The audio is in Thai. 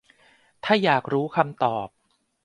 ถ้าอยากรู้คำตอบ